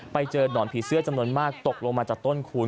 ไปเจอหนอนผีเสื้อจำนวนมากตกลงมาจากต้นคูณ